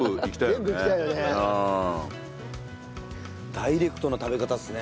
ダイレクトな食べ方っすね。